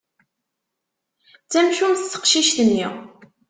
D tamcumt teqcict-nni.